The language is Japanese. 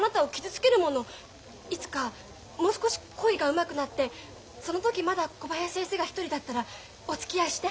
いつかもう少し恋がうまくなってその時まだ小林先生が独りだったらおつきあいして。